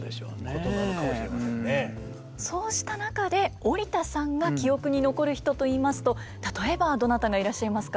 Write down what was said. そうした中で織田さんが記憶に残る人といいますと例えばどなたがいらっしゃいますか。